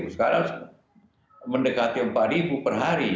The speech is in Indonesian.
sekarang mendekati empat per hari